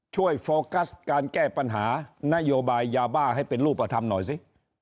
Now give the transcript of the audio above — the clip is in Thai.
โฟกัสการแก้ปัญหานโยบายยาบ้าให้เป็นรูปธรรมหน่อยสิ